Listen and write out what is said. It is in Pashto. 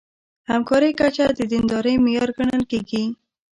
همکارۍ کچه د دیندارۍ معیار ګڼل کېږي.